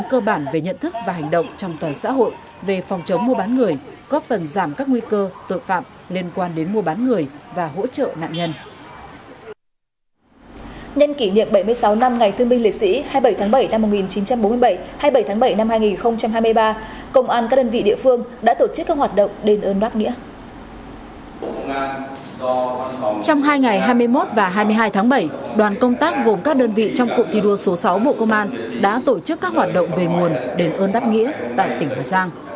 các đơn vị trong cuộc thi đua số sáu bộ công an đã tổ chức các hoạt động về nguồn đền ơn đáp nghĩa tại tỉnh hà giang